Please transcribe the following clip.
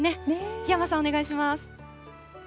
檜山さん、お願いします。